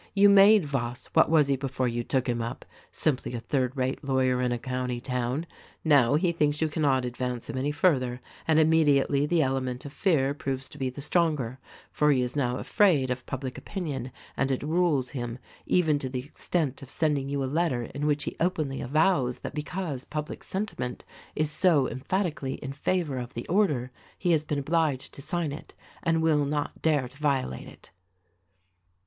You made Yoss. What was he before you took him up ? Simply a third rate lawyer in a county town. Now, he thinks you cannot advance him any further, and immediately the ele ment of fear proves to be the stronger — for he is now afraid of public opinion and it rules him, even to the extent of sending you a letter in which he openly avows that because public sentiment is so emphatically in favor of the order, he has been obliged to sign it and will not dare to violate it."